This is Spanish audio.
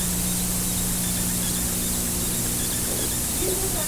De esta manera perdió su última oportunidad de ganar una medalla olímpica.